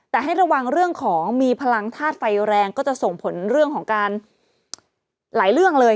แต่ให้ระวังเรื่องของมีพลังธาตุไฟแรงก็จะส่งผลเรื่องของการหลายเรื่องเลย